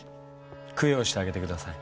供養してあげてください。